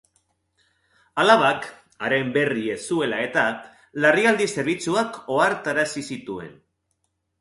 Alabak, haren berri ez zuela eta, larrialdi zerbitzuak ohartarazi zituen.